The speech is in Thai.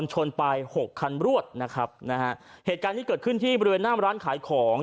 ชนไปหกคันรวดนะครับนะฮะเหตุการณ์นี้เกิดขึ้นที่บริเวณหน้ามร้านขายของ